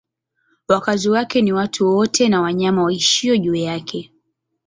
Wakazi wake ni watu wote na wanyama waishio juu yake.